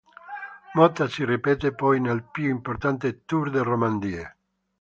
Motta si ripete poi nel più importante Tour de Romandie.